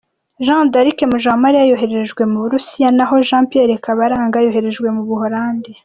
Jeanne D’arc Mujawamaliya yoherejwe mu Burusiya naho Jean Pierre Kabaranga yoherejwe mu Buholandi.